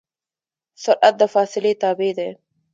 سرعت د فاصلې تابع دی.